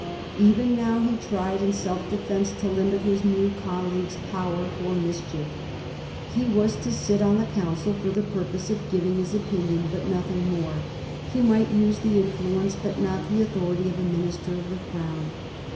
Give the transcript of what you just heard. Even now he tried, in self defence, to limit his new colleague's power for mischief. He was to sit on the Council for the purpose of giving his opinion, but nothing more ; he might use the influence, but not the authority, of a Minister of the Crown.